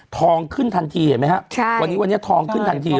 ทองขึ้นทันทีเห็นไหมฮะวันนี้ทองขึ้นทันทีเลย